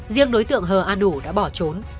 riêng đối tượng hờ an hủ đã bỏ trốn